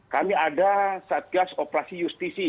kami ada satgas operasi justisi